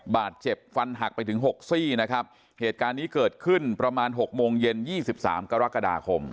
บาดเจ็บฟันหักไปถึงหกซี่นะครับเหตุการณ์นี้เกิดขึ้นประมาณหกโมงเย็นยี่สิบสามกรกฎาคม